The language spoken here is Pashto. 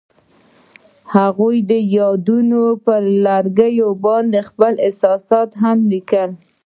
هغوی د یادونه پر لرګي باندې خپل احساسات هم لیکل.